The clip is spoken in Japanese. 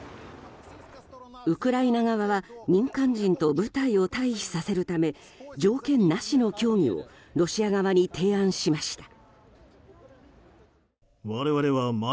ウクライナ側は民間人と部隊を退避させるため条件なしの協議をロシア側に提案しました。